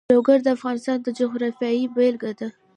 لوگر د افغانستان د جغرافیې بېلګه ده.